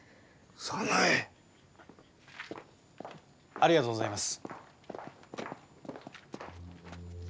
ありがとうございます。